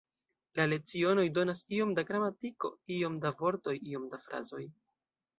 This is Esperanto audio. La lecionoj donas iom da gramatiko, iom da vortoj, iom da frazoj.